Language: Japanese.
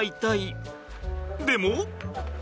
でも。